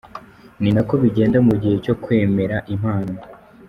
Ni nako bigenda mu gihe cyo kwemera impano.